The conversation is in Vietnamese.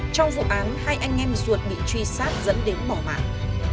trong vụ án hai anh em ruột bị truy sát dẫn đến bỏ mạng